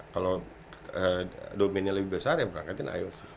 kalau domennya lebih besar yang berangkatin ioc